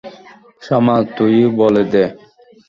শামা, তুই-ই বলে দে।